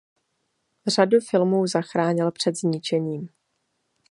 Řadu filmů zachránil před zničením.